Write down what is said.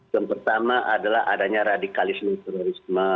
yang pertama adalah adanya radikalisme terorisme